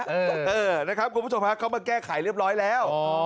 เออนะครับคุณผู้ชมฮะเขามาแก้ไขเรียบร้อยแล้ว